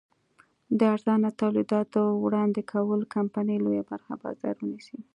د ارزانه تولیداتو وړاندې کولو کمپنۍ لویه برخه بازار ونیسي.